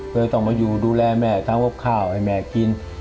ก็เลยต้องมาอยู่ดูแลแม่ทำกับข้าวให้แม่กิน